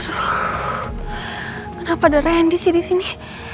aduh kenapa ada randy sih disini